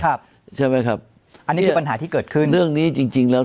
ครับใช่ไหมครับอันนี้คือปัญหาที่เกิดขึ้นเรื่องนี้จริงจริงแล้ว